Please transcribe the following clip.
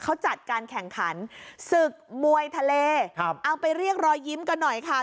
เขาจัดการแข่งขันศึกมวยทะเลครับเอาไปเรียกรอยยิ้มกันหน่อยค่ะ